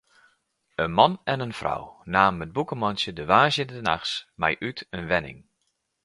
In man en in frou namen it bûkemantsje de woansdeitenachts mei út in wenning.